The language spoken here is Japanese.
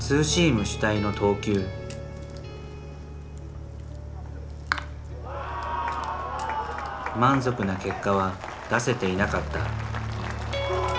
満足な結果は出せていなかった。